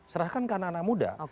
serahkan ke anak anak muda